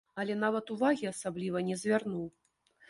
Але нават увагі асабліва не звярнуў.